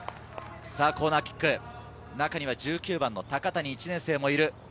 コーナーキック、中には１９番の高谷、１年生もいる。